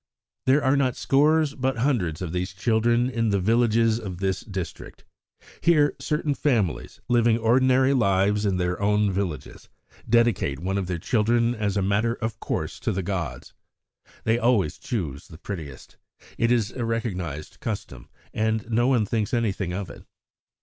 "There are not scores but hundreds of these children in the villages of this district. Here certain families, living ordinary lives in their own villages, dedicate one of their children as a matter of course to the gods. They always choose the prettiest. It is a recognised custom, and no one thinks anything of it.